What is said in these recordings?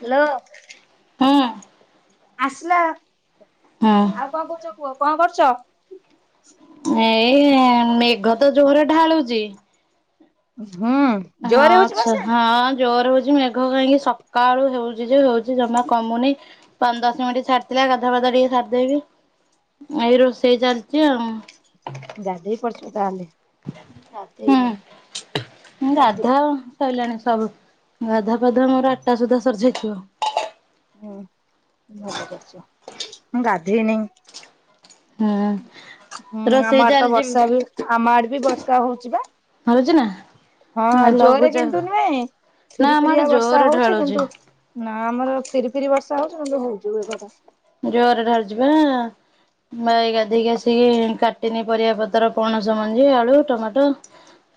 Hello. ହୁଁ। ଆସିଲା ହୁଁ ଆଉ କଣ କହୁଚ କୁହ କଣ କରୁଛ? ଏଇ ମେଘ ତ ଜୋର ଢାଳୁଛି। ହୁଁ ହଁ ଜୋରେ ହଉଛି ଆଛା ବର୍ଷା? ହଁ ଜୋରେ ହୋଉଛି। ଯୁ ମେଘ କାଇକି ସକାଳୁ ହଉଛି ଯେ ହଉଛି ଜମା କମୁନି ପାଞ୍ଚ୍ ଦଶ ମିନିଟ୍ ଛାଡିଥିଲା ଗାଧୁଆ ପାଧୁଆ କରିକି ସାରିଦେବି ଏଇ ରୋଷେଇ ଚାଲିଛି ଆଉ। ଗାଧେଇ ପଡ଼ିଚୁ ତାହେଲେ। ହୁଁ ଗାଧେଇନି ମୁଁ ଗାଧେ ଗାଧା ସଇଲାଣି ସବୁ। ଗାଧା ପାାଧୁଆ ମୋର ଆଠଟା ସୁଧା ସରିଯାଇଥିବ। ହୁଁ ଭଲ କରିଛ ମୁଁ ଗାଧେଇନି। ହୁଁ। ହୁଁ ରୋଷେଇ ଆମ ଆଡେ ତ ଚାଲିଛି। ବର୍ଷା ବି ଆମ ଆଡ ବି ବର୍ଷା ହଉଛି ବା। ହଉଛି ନା ହଁ ଜୋରେ ଲଘୁଚାପ କିନ୍ତୁ ନୁହେଁ। ନା ଫିରି ଆମ ଆଡେ ଫିରିଆ ଜୋର ବର୍ଷା ହଉଛି ଢାଳୁଛି। କିନ୍ତୁ ନା ଆମର ଫିରି ଫିରି ବର୍ଷା ହଉଛି କିନ୍ତୁ ହୋଇଛି ମେଘ ଟା। ଜୋରେ ଢାଳୁଛି ପରା। ମୁଁ ଏଇ ଗାଧୋଇକି ଆସିକି କାଟିନି ପରିବାପତ୍ର ପଣସ ମଞ୍ଜି ଆଳୁ ଟମାଟୋ।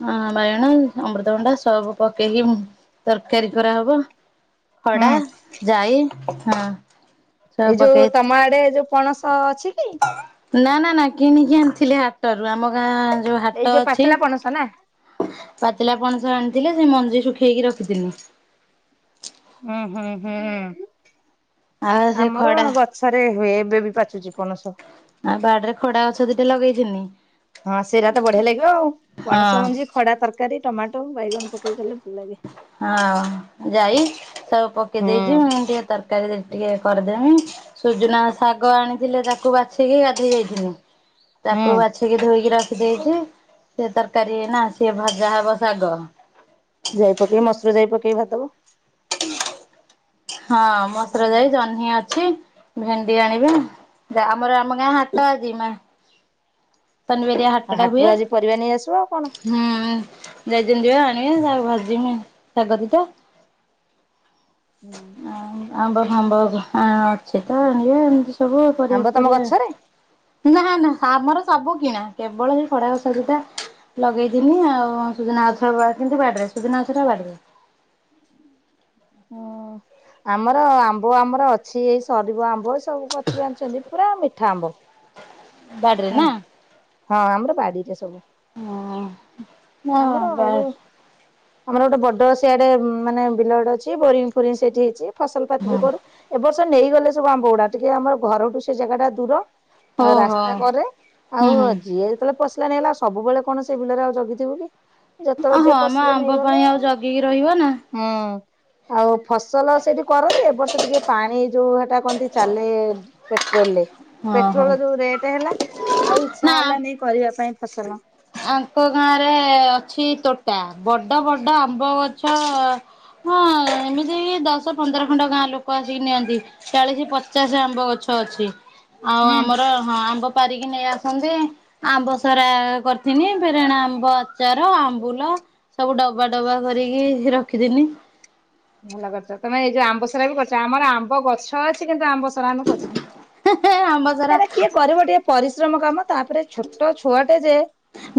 ହଁ ବାଇଗଣ ଅମୃତଭଣ୍ଡା ସବୁ ପକେଇକି ତରକାରୀ କରାହବ। ଗଡା ହୁଁ। ଯାଇ ହଁ। ସବୁ ଏଇ ଯୋଉ ପକେଇ ତମ ଆଡେ ଯୋଉ ପଣସ ଅଛି। କି ନା ନା ନା କିଣିକି ଆଣିଥିଲି ହାଟରୁ ଆମ ଗାଁ ଯୋଉ ଏଇ ହାଟ ଅଛି। ପାଚିଲା ପଣସ ନା? ପାଚିଲା ପଣସ ଆଣିଥିଲି ସେ ମଞ୍ଜି ଶୁଖେଇକି ରଖିଥିଲି। ହୁଁ ହୁଁ ହୁଁ ଆଉ ସେ ଆମର ଖଡା ଗଛରେ ହୁଏ। ଏବ ଏବେ ବି ପାଚୁଛି ପଣସ? ଆଉ ବାଡରେ ଖଡା ଗଛ ଦିଟା ଲଗେଇଥିନି। ହଁ ସେରାତ ବଢିଆ ଲାଗିବ ଆଉ ପଣସ ହଁ। ମଞ୍ଜି ଖଡା ତରକାରୀ ଟମାଟୋ ବାଇଗଣ ପକେଇ କଲେ ଭଲ ଲାଗେ। ହଁ ଯାଇ ସବୁ ପକେଇ ହୁଁ ଦେଇଛି ମୁଁ ଟିକେ ତରକାରୀ ଟିକେ କରିଦେମି ସୁଜୁନା ଶାଗ ଆଣିଥିଲେ ତାକୁ ବାଛିକି ଗାଧେଇ ଯାଇଥିଲି ତାକୁ ହୁଁ। ବାଛି କି ଧୋଇକି ର ଦେଇଛି ସେ ତରକାରୀ ନା ସିଏ ଭଜା ହବ ଶାଗ ଯାଇ ପକେଇକି ମସୁର ଯାଇ ପକେଇି ଭାଜିଦେବ। ହଁ ମସୁର ଯାଇ ଆଉ ଜହ୍ନି ଅଛି ଅଛି ଭେଣ୍ଡି ଆଣିବି ଆମର ଆମ ଗାଁ ହାଟ ଅଛି ଶନିବାରିଆ ହାଟଟା ହାଟରୁ ହୁଏ ଆଜି ପରିବା ନେଇ ଆସିବ ଆଉ କଣ। ହୁଁ ଯୋଉ ଦିନ ଯିବେ ଆଣିବେ ଭାଜିବି ଶାଗ ଦିଟା ହୁଁ। ଆଉ ଆମ୍ବ ଫାମ୍ବ ଅଛି ତ ଆଣିବେ ସବୁ ପରିବା ଆମ୍ବ ତମ ପରିବା ଗଛରେ? ନା ନା। ଆମର ସବୁ କିଣା କେବଳ ଏଇ ଖଡାଗଛ ଦିଟା ଲଗେଇଥିନି ଆଉ ସୁଜନା ଗଛ କିନ୍ତୁ ବାଡିରେ ସୁଜନା ଗଛ ବାଡ଼ିରେ। [inaudible] ଆମର ଆମ୍ବ ଆମର ଅଛି ଏଇ ସରିବ ଆମ୍ବ ଏଇ ସବୁ ପଛରୁ ଆଣିଛନ୍ତି ପୁରା ମିଠା ଆମ୍ବ। ବାଡିରେ ହୁଁ ନା? ହଁ ଆମର ବାଡିରେ ସବୁ। ହଁ ଆମର ହଁ ଯୋଉ [unintelligible] ଆମର ଗୋଟେ ବଡ ସେଆଡେ ମାନେ ବିଲଡେ ଅଛି ବୋରିଙ୍ଗ ଫୋରିଂ ସେଇଠି ହେଇଛି ଫସଲପାତି ବି କରୁ ଏବ ବର୍ଷ ନେଇଗଲେ ସବୁ ଆମ୍ବ ଗୁଡା ଟିକେ ଆମର ଘରଠୁ ସେ ଜାଗା ଟା ଦୂର ଓ ଆଉ ହୋ। ରାସ୍ତା କରେ ଆଉ ଯିଏ ଯେତେବେଳେ ପଶିଲା ନେଲା ସବୁବେଳେ କଣ ସେ ବିଲରେ ଆଉ ଜଗିଥିବୁ କି। ଯେତେବେଳେ ହଁ ଯିଏ ଆମ ପଶିଲେ ଆମ୍ବ ନେଇଗଲା ପାଇଁ ଆ ଆଉ ଜଗିକି ରହିବ ନା ହୁଁ। ଆଉ ଫସଲ ସେଇଠି କରନ୍ତି ଏ ବର୍ଷ ଟିକେ ପାଣି ଯୋଉ ସେଟା କନ୍ତି ଚାଲେ ପେଟ୍ରୋଲ ରେ ହଁ ହଁ ପେଟ୍ରୋଲ ଯୋଉ ରେଟ ହେଲା ଆଉ ଇଚ୍ଛା ନା ହେଲାନି କରିବା ପାଇଁ ଫସଲ। ଆଙ୍କ ଗାଁ ରେ ଅଛି ତୋଟା ବଡ଼ ବଡ଼ ଆମ୍ବ ଗଛ ହଁ ଏମିତି ଦଶ ପନ୍ଦର ଖଣ୍ଡ ଗାଁ ଲୋକ ଆସିକି ନିଅନ୍ତି ଚାଳିଶ ପଚାଶ ଆମ୍ବ ଗଛ ଅଛି ଆଉ ହୁଁ। ଆମର ହଁ ଆମ୍ବ ପାରିକି ନେଇ ଆସନ୍ତି ଆମ୍ବ ସରା କରି ବେରେଣା ଆମ୍ବ ଆଚାର ଆମ୍ବୁଲ ସବୁ ଡବା ଡବା କରିକି ରଖିଥିନି। ଭଲ କରିଛ ତମେ ଏଇ ଯୋଉ ଆମ୍ବ ସାରା ବି କରୁଛ ଆମର ଆମ୍ବ ଗଛ ଅଛି କିନ୍ତୁ ଆମ୍ବ ସରା ଆମେ କରୁନୁ। ଆମ୍ବ ସରା କିଏ କରିବ ଟିକେ ପରିଶ୍ରମ କାମ ତାପରେ ଛୋଟ ଛୁଆଟେ ଯେ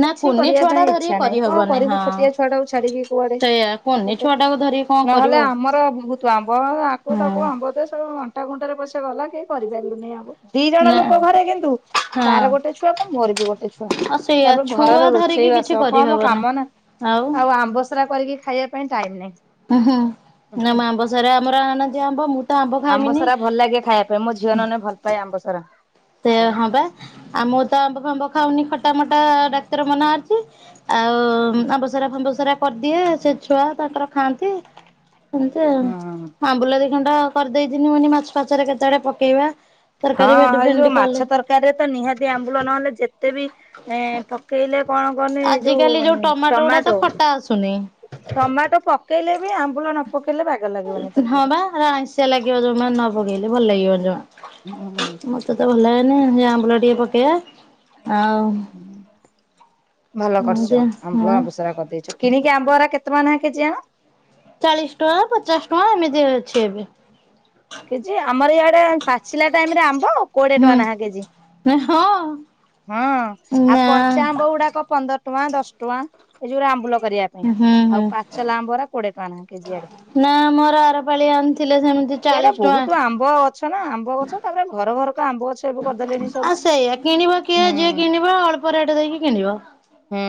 ନା କିଛି କୁନି କରିବା ଛୁଆ ଟା ପାଇଁ ଧରିକି ଇଚ୍ଛା ନାହିଁ କଣ କରିହବନି କରିବୁ ହଁ। ଛୋଟିଆ ଛୁଆ ଟାକୁ ଛାଡିକି କୁଆଡେ ସେଇଆ କୁନି କେତେ। ଛୁଆ ଟାକୁ ଧରିକି କଣ କରିବ ନହେଲେ ହଁ ଆମର ବହୁତ ଆମ୍ବ ଆକୁ ତାକୁ ଆମ୍ବ ଦେ ସବୁ ଅଣ୍ଟା ଗୁଣ୍ଟରେ ପଶେଇ ଗଲା କି କରିପାରିଲୁନି ଆବ ଦି ଜଣ ନା ଲୋକ ଘରେ କିନ୍ତୁ ହଁ। ତାର ଗୋଟେ ଛୁଆ କଣ ମୋର ବି ଗୋଟେ ଛୁଆ। ହଁ ସେଇଆ ତାପରେ ଛୁଆ ଘରର ଧରିକି କିଛି ରୋଷେଇବାସ କଣ କରିହବନି କାମ ନା ଆଉ ଆମ୍ବସରା କରିକି ଖାଇବା ପାଇଁ ଟାଇମ ନାଇଁ। ହୁଁ ହୁଁ ଆମ ଆମ୍ବ ସରା ଆମର ଆଣନ୍ତି ଆମ୍ବ ତ ଆମ୍ବ ଖାଇମିନି ସରା ଭଲ ଲାଗେ ଖାଇବା ପାଇଁ ମୋ ଝିଅ ନ ମାନେ ଭଲ ପାଏ ଆମ୍ବ ସାରା। ସେ ହଁ ବା ଆଉ ମୁଁ ତ ଆମ୍ବ ଫମ୍ବ ଖାଉନି ଖଟା ମଟା ଡାକ୍ତର ମନା ଅଛି ଆଉ ଆମ୍ବସରା ଫମ୍ବସରା କରିଦିଏ ସେ ଛୁଆ ତାଙ୍କର ଖାଆନ୍ତି। ଏମିତି ହଁ। ଆମ୍ବୁଲ ଦି ଖଟା କରିଦେଇଦିନି ମନି ମାଛ ଫଛରେ କେତେବେଳେ ପକେଇବା। ହଁ ତରକାରୀ ଭେଣ୍ଡି ଏଇ ଫେଣ୍ଡି ଯୋଉ ମା କଲେ ଛ ତରକାରୀରେ ତ ନିହାତି ଆମ୍ବୁଳ ନହଲେ ଯେତବି ପକେଇଲେ ମାନେ ଯୋଉ ଆଜିକାଲି ଗୁଡା ତ ଟମାଟୋ ଖଟା ଆସୁନି। ଟମାଟୋ ପକେଇଲେ ବି ଆମ୍ବୁଲ ନ ପକେଇଲେ ବାଗ ଲାଗିବନି ହଁ ତରକାରୀ। ଆଇସିଆ ଲାଗିବ ଯୋଉମାନେ ନ ପକେଇଲେ ଭଲ ଲାଗିବନି। ହୁଁ ହୁଁ ମତେ ତ ଭଲ ହେନି ସେ ଆମ୍ବୁଲ ଟିକେ ପକେଇବା ଆଉ ଭଲ ଏମିତି କରିଛ ଆମ୍ବଳ ହଁ ଆବୁସରା କରିଦେଇଛ କିଣିକି ଆମ୍ବରା କେତେ ମ ହେ କେଜି ଆଣ? ଚାଳିଶ ଟଙ୍କା ପଚାଶ ଟଙ୍କା ଏମିତି ଅଛି ଏବେ। କେଜି ଆମର ଇଆଡେ ପାଚିଲା ଟାଇମ ରେ ଆମ୍ବ କୋଡିଏ ଟଙ୍କା ହୁଁ ନାହାଁ କେଜି ହଁ ହଁ ଆଉ ନା କଞ୍ଚା ଆମ୍ବ ଗୁଡାକ ପନ୍ଦର ଟଙ୍କା ଦଶ ଟଙ୍କା ଏଇ ଯୋଉରେ ଆମ୍ବୁଲ କରିବା ପାଇଁ ହୁଁ ହୁଁ ଆଉ ପାଚଲାା ଆମ୍ବରା କୋଡିଏ ଟଙ୍କା ନାଁ କେଜି ଆଡେ। ନା ମୋର ଆରପାଳି ଆଣିଥିଲେ ସେମିତି ଏଇଡେ ଚାଳିଶ ବହୁତ ଟଙ୍କା ଆମ୍ବ ଗଛ ନା ଆମ୍ବ ଗଛ ତାପରେ ଘର ଘରକା ଆମ୍ବ ଗଛ ଏବେ କରିଦେଲେଣିି ସବୁ। କିଣିବା କିଏ ହୁଁ ଯିଏ କିଣିବା ଅଳ୍ପ ରେଟ ଦେଇକି କିଣିବ। ହୁଁ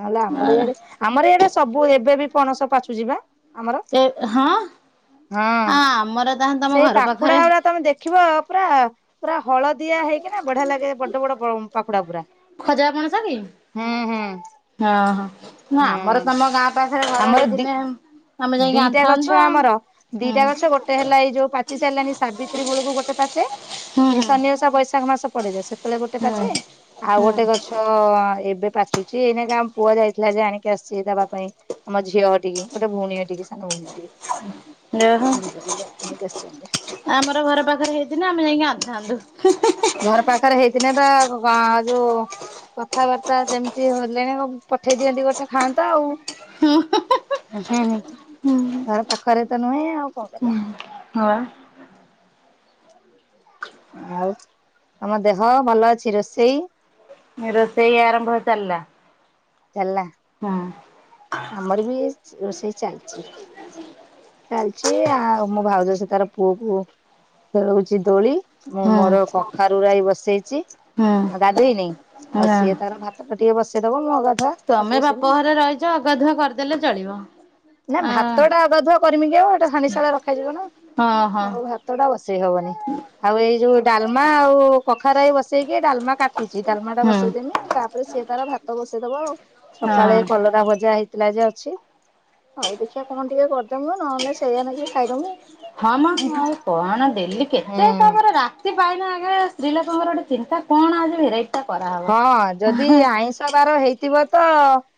ନହେଲେ ଆମର ଇଆଡେ ଆମର ଇଆଡେ ସବୁ ଏବେ ବି ପଣସ ପାଚୁଚି ବା। ଆମର ଏ ହଁ ହଁ ଆମର ତାହେଲେ ତମ ସେଇ ଘର ପାଖୁଡା ପାଖରେ ଗୁରା ତମେ ଦେଖିବ ପୁରା ପୁରା ହଳଦିଆ ହେଇକିନା ବଢିଆ ଲାଗେ ବଡ ବଡ ବ ପାଖୁଡା ପୁରା [unintelligible] ହୁଁ ହୁଁ ହଁ। ନା ଆମର ହୁଁ। ତମ ଗାଁ ପାଖରେ ଘର ଆମର ଦି ହେଇଥିନେ ଦିଟା ଗଛ ଆମର ଦିଟା ହୁଁ ଗଛ ଗୋଟେ ହେଲା ଏଇ ଯୋଉ ପାଚି ସାରିଲାଣି ସାବିତ୍ରୀ ବେଳକୁ ଗୋଟେ ପା ଚେ ହୁଁ ଏଇ ହୁଁ ସନି ଓସା ବୈଶାଖ ମାସ ପଡେ ଯାଏ ସେତେବେଳେ ଗୋଟେ ହୁଁ ପାଛେ ଆଉ ଗୋଟେ ହୁଁ ଗଛ ଏବେ ପାଚୁଛି ଏଇନାକା ଆମ ପୁଅ ଯାଇଥିଲା ଯେ ଆଣିକି ଆସିଛି ଦେବା ପାଇଁ ଆମ ଝିଅ ଘଟିକି ଗୋଟେ ଭଉଣୀ ଟିକି ଓହୋ ଦିବେ ବୋଲି ଆଣିକି ଆସିଛ ଆମର ଘର ପାଖରେ ହେଇଥିଲେ ଆମେ ଯାଇକି ଆଣିଥାନ୍ତୁ। ଘର ପାଖରେ ହେଇଥିଲେ ପା ଭଗଦ ଯୋଉ କଥାବାର୍ତ୍ତା ଯେମିତି ହେଲେ ପଠେଇ ଦିଅନ୍ତି ଗୋଟେ ଖାଆନ୍ତ ଆଉ ହୁଁ ଉଁ ଘର ପାଖରେ ତ ନୁହେଁ ଆଉ କଣ କରିବା। ହଁପା। ଆଉ ତମ ଦେହ ଭଲ ଅଛି ରୋଷେଇ? ରୋଷେଇ ଆରମ୍ଭ ଚାଲିଲା। ଚାଲିଲା। ହୁଁ। ଆମର ବି ରୋଷେଇ ଚାଲିଚି। ଚାଲିଛି ଆଉ ମୋ ଭାଉଜ ସେ ତାର ପୁଅକୁ ଖେଳଉଛି ଦୋଳି। ମୁଁ ହୁଁ ମୋର କଖାରୁ ରାଇ ବସେଇଛି। ହୁଁ ଆଉ ଗାଧେଇନି ଆଉ ନା ସିଏ ତାର ଭାତ ଟା ଟିକେ ବସେଇଦବ ମୁଁ ଅଗାଧୁଆ ଭାତ ତମେ ବସେଇବି ବାପ ଘରେ ରହିଛ ଅଗାଧୁଆ କରିଦେଲେ ଚଳିବ। ନା ଅ ଭାତଟା ଅଗାଧୁଆ କରିମି କି ଆଉ ଏଟା ହାଣ୍ଡି ସାଳେ ରଖାଯିବ ନାଁ। ହଁ ହଁ ଆଉ ଭାତଟା ବସେଇ ହବନି ଆଉ ଏଇ ଯୋଉ ଡାଲମା ଆଉ କଖା ଖରାଇ ବସେଇକି ଡାଲମା କାଟୁଛି ଡାଲମାଟା ହୁଁ ବସେଇ ଦେମି ତାପରେ ସିଏ ତାର ଭାତ ବସେଇ ଦବ ଆଉ ହଁ ସକାଳେ କଲରା ଭଜା ହେଇଥିଲା ଯେ ଅଛି ଆଉ ଦେଖିବା କଣ ଟିକେ କରିଦ [unintelligible] ଖାଇମୁ ନହେଲେ ସେଇଆ ନଗେଇକ ଖାଇଦମୁ ହଁ ମ ଆଉ କଣ ଡେଲି ହୁଁ କେତେ ତାପରେ ରାତି ପାଇନା ଆ ସ୍ତ୍ରୀଲୋକଙ୍କର ଗୋଟେ ଚିନ୍ତା କଣ ଆଜି ଭେରାଇଟ ହଁ ଯଦି ଆଇଁଷ ବାର ହେଇଥିବ ତ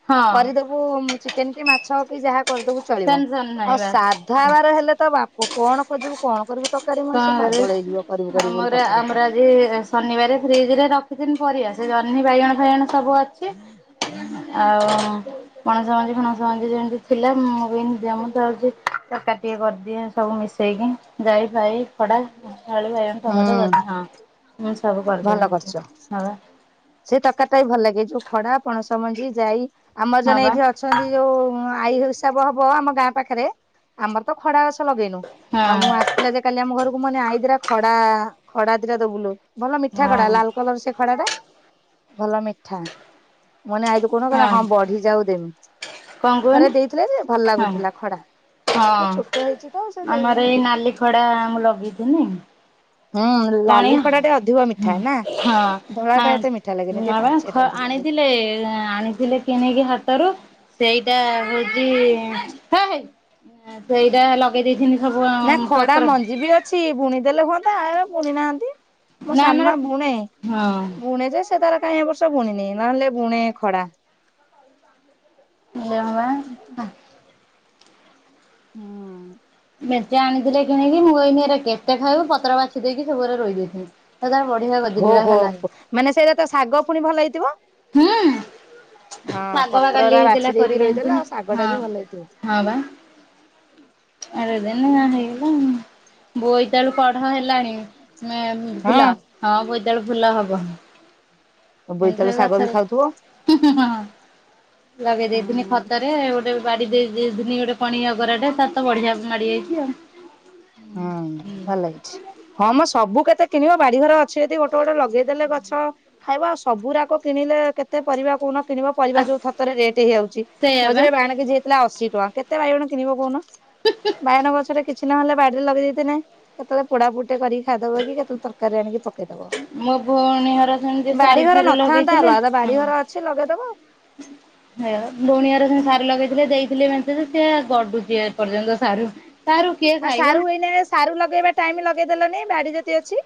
ହଁ କରିଦବୁ ଚିକେନ କି ମାଛ ଏ ଯାହା କରିଦବୁ ଚଳିବ ଟେନସନ ନାହିଁ ଆଉ ବାସ୍। ସାଧାବାର ହେଲେ ତ ବାପ କଣ ଖୋଜିବୁ କଣ କରିବୁ। କଣ ତରକାରୀ ମଣିଷ କରିବ ପାଗଳ ହେଇଯିବ କରିବୁ କରିବୁ ବୋଲି ଆମର ତରକାରୀ ଆମର କଣ ଆଜି ଶନିବାରେ ଫ୍ରିଜରେ ରଖିଥିନି ପରିଆ ସେ ଜହ୍ନି ବାଇଗଣ ଫାଇଗଣ ସବୁ ଅଛି ଆଉ। ପଣସ ମଞ୍ଜି ଫଣସ ମଞ୍ଜି ଯେମିତି ଥିଲା ମୁଁ [unintelligible] ଦେମ ଯାଉଛି ତରକାରୀ ଟିକେ କରିଦିଏ ସବୁ ମିଶ ମିଶେଇକି ଯାଇ ଫାଇ ଖଡା, ଆଳୁ, ବାଇଗଣ, ଟମାଟୋ ହୁଁ ଜହ୍ନି ହଁ। ମି ଭଲ କରିଚ। ସେ ତରକାରୀଟା ବି ଭଲ ଲାଗେ ଯୋଉ ଖଡା ପଣସ ମଞ୍ଜି ଯାଇ ଆମର ହଁ ଜଣେ ବା ଏଇଠି ଅଛନ୍ତି ଯୋଉ ଆ ଆଈ ହିସାବ ହବ ଆମ ଗାଁ ପାଖରେ ଆମର ତ ଖଡାଗଛ ଲଗେଇନୁ ଆଉ ହଁ ମୁଁ ଆସିଥିଲା ଯେ କାଲି ଆମ ଘରକୁ ମୁଁ କହିନି ଆଇ ଦିଟା ଖଡା ଖଡା ଦିଟା ଦବୁଲୋ। ଭଲ ମିଠା ଖଡା ହଁ ଲାଲ କଲର ସେ ଖଡା ଟା ଭଲ ମିଠା। ମୁଁ ଲି ଆଇନୁ କୋଉ ଦିନ କହିଲା ହଁ ବଢି ଯାଉ ଦେମି କଣ ଥରେ କୁହନି ଦେଇଥିଲେ ଯେ ଭଲ ହଁ ଲାଗୁଥିଲା ଖଡା। ଟିକେ ଛୋଟ ହେଇଛି ତ ସେ ହଁ ଆମର ଦେଇନାହିଁ ଏଇ ନାଲି ଖଡା ମୁଁ ଲଗେଇଥିନି। ହୁଁ କଣି ଲାଲି ଖଡା ଟେ ଅଧିକ ମିଠା ନା ହଁ ଧଳା ଆ ଟା ଏତେ ମିଠା ଲାଗେନି ଟିକେ ପାଞ୍ଚିଆ ନପା ଟାଇପ ର ଲାଗେ ଆଣି ଥିଲେ-ଏ ଆଣିଥିଲେ କିଣକି ହାଟରୁ ସେଇଟା ହଉଚିଁ, ହେ-ହେଇ ସେଇଟା ଲଗେଇ ଦେଇଥିନି। ସବୁ ନା ଖଡା ପତ୍ର ମଞ୍ଜି ବି ଅଛି ବୁଣିଦେଲେ ହୁଅନ୍ତା! ଆ ବୁଣି ନାହାନ୍ତି। ମୋ ନା ଆମର ସାନମାଁ ବୁଣେ। ହଁ ବୁଣେ ଯେ ସେ ତାର କାହିଁ, ଏ ବର୍ଷ ବୁଣିନି ନହେଲେ ବୁଣେ ଖଡା। ନିଅ ବାଁ, ହା। ହୁଁ। ମେଞ୍ଚେ ଆଣିଥିଲେ କିଣିକି। ମୁଁ କଇନି ଏରା କେତେ ଖାଉବୁ? ପତ୍ର ବାଛି ଦେଇକି ସବୁ ଗୁରା ରୋଇ ଦେଇଥିନି। ସେ ତାର ବଢିଆ ହୋ ଗଦିରିବା ହୋ, ହେଲା ମାନେ ସେଇରା ତ ଶାଗ ପୁଣି ଭଲ ହେଇଥିବ? ହଁ-ଅଁ ହଁ ଶାଗ ପା କାଲି ପତ୍ରରା ହେଇଥିଲା, ବାଛି ଦେଇକି କରିିକି ରୋଇଦେଲା ଆଣଥିନି। ଆଉ ଶାଗ ଟା ହଁ, ବି ଭଲ ହେଇଥିବ। ହଁ ବା। ଆଡେଇଦେନି ଆ ହୁଁ। ହେଇଗଲା ଆଉ ବୋଇତାଳୁ କଢ ହେଲାଣି। ମେଁ ଫୁଲ ହଁ, ବୋଇତାଳୁ ଫୁଲ ହବ। [unintelligible] ବୋଇତାଳୁ ଶାଗ ଗଛ ବି ହିଁ ଖାଉଥିବ। ହିଁ ହ, ଲଗେଇ ଦେଇେଇଥିନି ହୁଁ। ଖତରେ। ଗୋଟେ ବାଡି ଦେଇ ଦେଇ ଧିନି ଗୋଟେ ପଣିଆ ଗରାଟେ, ତା ତ ବଢିଆ ମାଡିଯାଇଛି ଆଉ। ହୁଁ, ଭଲ ହେଇଛି। ହଁ, ମଁ, ସବୁ କେତ୍ କେତେ କିଣିବ? ବାଡିଘର ଅଛି ଯଦି ଗୋଟେ ଗୋଟେ ଲଗେଇଦେଲେ ଗଛ ଖାଇବ। ଆଉ, ସବୁରାକ କିଣିଲେ, କେତେ ପରିବା କହୁନ? କିଣିବ ଆ ପରିବା ଯୋଉ ଥର୍ ଥରେ ରେଟ୍ ହେଇଆଉଛି। ସେଇଆ ବା ମଝିରେ ବାଇଗଣ କେ ଜି ହେଇଥିଲା ଅଶୀ ଟଆଁ। କେତେ ବାଇଗଣ କିଣିବ କହୁନ? ବାଇଅଣ ଗଛଟା କିଛି ନହେଲେ, ବାଡିରେ ଲଗେଇ ଦେଇଥିନେ, କେତେବେଳେ ପୋଡା ପୁଡ ଟେ କରିକି ଖାଇଦବ କି। କେତେଳେ ତରକାରୀ ଆଣିକି ପକେଇ ଦବ। ମୋ ଭଉଣୀ ହର ସେମତି, ସାରୁ ଫାରୁ ନଥାନ୍ତା ଲଗେଇଥିଲେ। ଅଲଗା କଥା। ବାଡିଘର ଅଛି ଲଗେଇଦବ। ହେଇଗଲା। ବୁଣିଆର ସେମ୍ ସା ଲଗେଇଥିଲେ ଦେଇଥିଲେ ମେଞ୍ଚେ ଯେ, ସେ ଗଡୁଛି ଏ ପର୍ଯ୍ୟନ୍ତ ସାରୁ। ସାରୁ କିଏ ଆଉ, ଖାଇବ? ସାରୁ ଏଇନେ ସାରୁ ଲଗେଇବା ଟାଇମ୍ ଲଗେଇଦେଲନି, ବାଡି ଯଦି ଅଛି!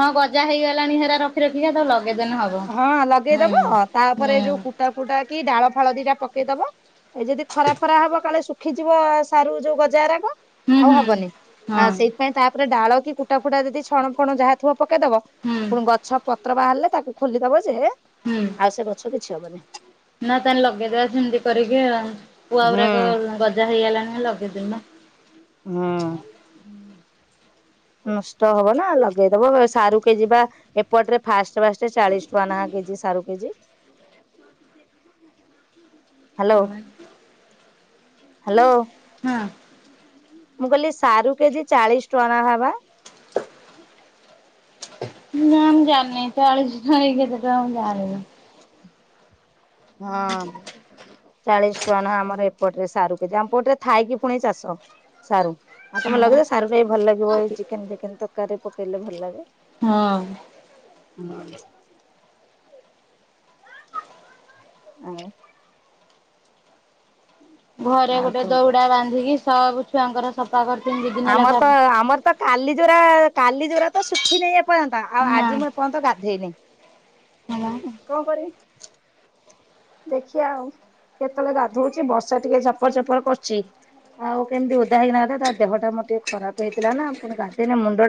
ହଁ, ଗଜା ହେଇଗଲାଣି, ହେରା ରଖି ରଖିକା ତାକୁ ଲଗ ହଁ, ଲଗେଇଦବ। ତା'ପରେ ଯୋଉ ହୁଁ କୁଟା ଫୁଟା କି ଡାଳ ଫାଳଦି ଟା ପକେଇଦବ। ଏଇ ଯଦି ଖରା ଫରା ହବ କାଳେ ଶୁଖିଯିବ, ସାରୁ ଯୋଉ ଗଜା ରାଗ। ଆଉ ହୁଁ। ହବନି? ଆ ହଁ। ସେଇଥିପାଇଁ ତାପ ଡାଳ କି କୁଟା ଫୁଟା ଯଦି ଛଣ ଫଣ ଯାହା ଥିବ ପକେଇଦବ। ହୁଁ ପୁଣି ଗଛ ପତ୍ର ବାହାରିଲେ, ତାକୁ- ଖୋଲିଦବ ଯେ, ହୁଁ ଆଉ ସେ ଗଛ କିଛି ହବନି। ନା, ତାହେଲେ ଲଗେଇଦବା ସେମିତି କରିକି ଆଉ। ପୁଆ ହୁଁ ଗୁରାକ ଗଜା ହେଇଅଲାଣି ଲଗେଇଦଉନ। ହୁଁ। ନଷ୍ଟ ହବ ନା ଲଗେଇଦବ। ସାରୁ କେଜି ପା ଏପଟରେ ଫାଷ୍ଟ ଫାଷ୍ଟ ଚାଳିଶ ଟୁଆଁ ନାଖା, କେଜି ସାରୁ କେଜି। ହ୍ୟାଲୋ! ହଁ ହ୍ୟାଲୋ। ନା ମୁଁ, କହିଲି ସାରୁ କେଜି ଚାଳିଶ ଟଆଁ ନଖା ବା! ନାଁ ମୁଁ ଜାଣନି? ଚାଳିଶ ଟଆଁ କି କେତେ ଟଆଁ ମୁଁ ଜାଣନି? ହଁ, ଚାଳିଶ ଟଆଁ ନାଖା ଆମର ଏପଟରେ ସାରୁ। ଯଉ ଆମପଟରେ, ଥାଇକି ପୁଣି ଚାଷ ସାରୁ ଆଉ ତମେ ହଁ ଲାଗେଇଦବ। ସାରୁ ଟା ବି ଭଲ ଲାଗିବ ଏଇ ଚିକେନ୍ ଫିକେନ୍ ତକାରୀ ରେ ପକେଇଲେ ଭଲ ଲାଗେ। ହଁ। ହୁଁ। ଆଉ। ଘରେ ଆଉ ଗୋଟେ କଣ କହୁଛ? ଦୌଡା ବାନ୍ଧିକି, ସବ୍ ଛୁଆଙ୍କର ସଫ୍ ଆମର ତ ଆମର ତ କାଲି ଯୋରା କାଲି ଯୋରା ତ ଶୁଖିିନେହିଁ, ଏପ୍ ଏପୟନ୍ତ। ଆଉ, ନା ଆଜି ମୁଁ ଏପୟନ୍ତ ଗାଧେଇନି, ହେଲା। କଣ କରିମି? ଦେଖିିଆ ଆଉ, କେତେଳେ ଗାଧୋଉଛି? ବର୍ଷା ଟିକେ ଛପର ଚପର କରୁଛି। ଆଉ, କେମିତି ଓଦା ହେଇକିନା ଗାଧେଇଆ। ତା ଦେହଟା ମୋର ଟିକେ ଖରାପ ହେଇଥିଲା ନା, ପୁଣି ଗାଧେଇନେ ମୁଣ୍ଡ